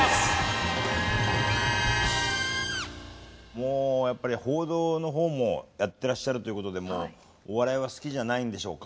もうやっぱり報道の方もやってらっしゃるということでもうお笑いは好きじゃないんでしょうか？